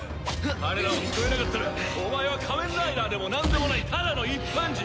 彼らを救えなかったらお前は仮面ライダーでもなんでもないただの一般人。